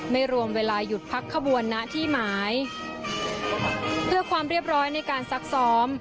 ไม่รวมเวลาหยุดพักขบวนณที่หมายเพื่อความเรียบร้อยในการซักซ้อม